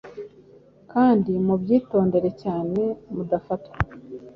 kandi mubyitondere cyane mudafatwa